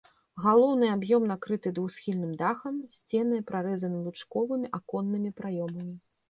Галоўны аб'ём накрыты двухсхільным дахам, сцены прарэзаны лучковымі аконнымі праёмамі.